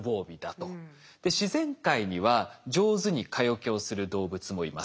で自然界には上手に蚊よけをする動物もいます。